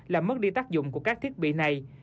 làm mất đi tác dụng của các thiết bị này